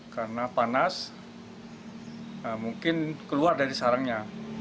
karena panas mungkin keluar dari sarangnya